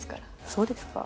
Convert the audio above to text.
そうですか？